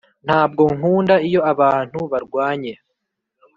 ntabwo nkunda iyo abantu barwanye.